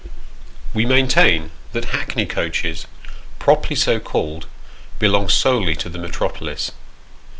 WE maintain that hackney coaches, properly so called, belong solely to the metropolis.